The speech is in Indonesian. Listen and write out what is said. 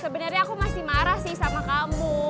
sebenarnya aku masih marah sih sama kamu